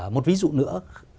một ví dụ nữa